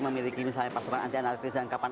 memiliki pasukan anti anarkis yang kapan